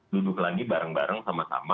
duduk lagi bareng bareng sama sama